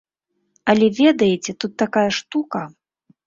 Але, ведаеце, тут такая штука.